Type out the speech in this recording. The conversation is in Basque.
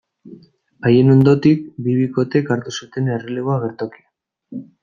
Haien ondotik, bi bikotek hartu zuten erreleboa agertokian.